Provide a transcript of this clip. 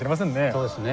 そうですね。